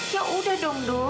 ya udah dong do